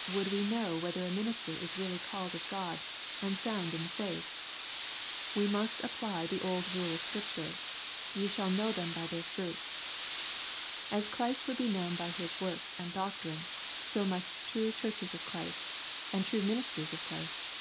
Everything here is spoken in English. — Would we know whether a minister is really called ol God, and sound in the faith ?— We musu apply the old LUKE, CHAP. VU. 217 rule of Scripture, " Ye shall know them by their fruits.* As Christ would be knowu by His works and doctrine, so must true Churches of Christ, and true ministers of Christ.